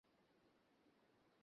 আমাকে ফেরত দাও!